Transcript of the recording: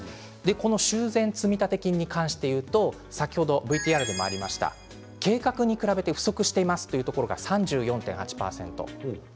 修繕積立金に関して言うと先ほどＶＴＲにもありましたが計画に比べて不足しているところが３４％を超えています。